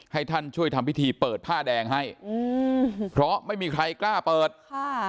ให้ท่านช่วยทำพิธีเปิดผ้าแดงให้อืมเพราะไม่มีใครกล้าเปิดค่ะ